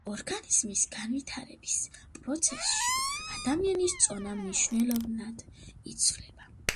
ორგანიზმის განვითარების პროცესში ადამიანის წონა მნიშვნელოვნად იცვლება.